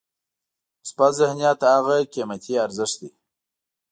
مثبت ذهنیت هغه قیمتي ارزښت دی.